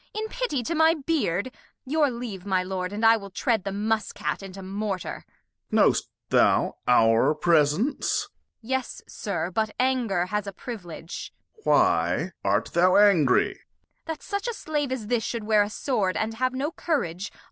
In Pity to my Beard Your Leave my Lord, And I will tread the Muss cat into Mortar. Duke. Know'st thou our Presence ? Kent. Yes, Sir, but Anger has a Privilege. Duke. Why art thou angry ? Kent. That such a Slave as this shou'd wear a Sword And have no Courage